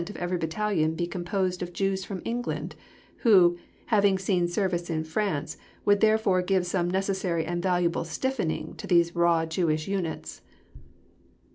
of every battalion be composed of Jews from England, who, having seen service in France, would therefore give some necessary and valuable stiffening to these raw Jewish units.